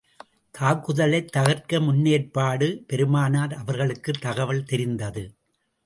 தாக்குதலைத் தகர்க்க முன்னேற்பாடு பெருமானார் அவர்களுக்குத் தகவல் தெரிந்தது.